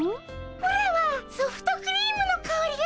オラはソフトクリームのかおりがしたっピ。